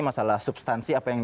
masalah substansi apa yang